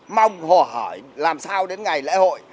mong họ hỏi làm sao đến ngày lễ hội